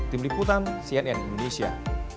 tim liputan cnn indonesia